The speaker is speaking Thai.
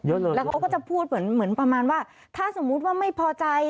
เยอะเลยแล้วเขาก็จะพูดเหมือนเหมือนประมาณว่าถ้าสมมุติว่าไม่พอใจ